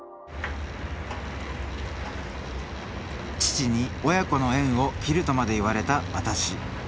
父に「親子の縁を切る」とまで言われた私。